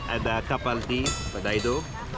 ada kapal di badaido